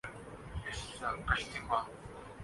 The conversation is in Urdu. ایک منٹ رکو زرا